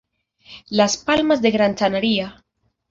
Las Palmas de Gran Canaria.